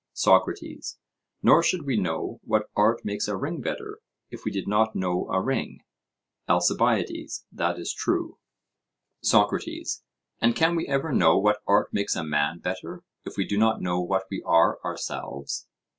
SOCRATES: Nor should we know what art makes a ring better, if we did not know a ring? ALCIBIADES: That is true. SOCRATES: And can we ever know what art makes a man better, if we do not know what we are ourselves?